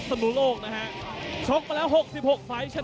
สวัสดีครับทายุรัฐมวยไทยไฟตเตอร์